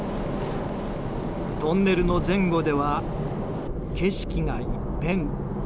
トンネルの前後では景色が一変。